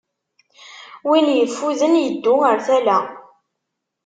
Win yeffuden, yeddu ar tala.